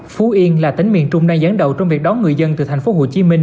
phú yên là tỉnh miền trung đang gián đầu trong việc đón người dân từ thành phố hồ chí minh